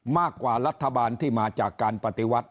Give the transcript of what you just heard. มากกว่ารัฐบาลที่มาจากการปฏิวัติ